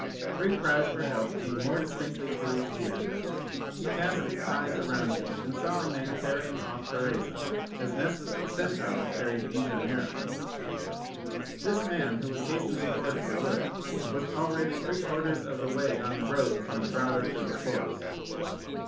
Three cries for help came more distinctly to his ear. He cast his eyes around him and saw a man carrying off Teresa, as Nessus, the centaur, carried Deianira. "This man, who was hastening towards the wood, was already three quarters of the way on the road from the grotto to the forest.